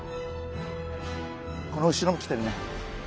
この後ろも来てるね！